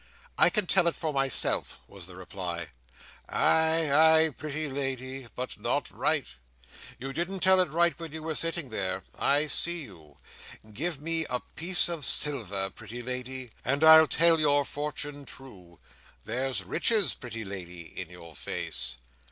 "I can tell it for myself," was the reply. "Ay, ay, pretty lady; but not right. You didn't tell it right when you were sitting there. I see you! Give me a piece of silver, pretty lady, and I'll tell your fortune true. There's riches, pretty lady, in your face."